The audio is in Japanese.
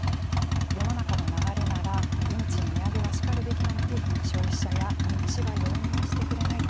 世の中の流れなら運賃値上げはしかるべきなのに消費者や荷主は容認してくれない。